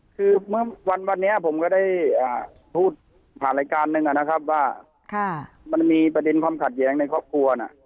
คือเมื่อวันนี้ผมก็ได้พูดผ่านรายการหนึ่งนะครับว่ามันมีประเด็นความขัดแย้งในครอบครัวน่ะ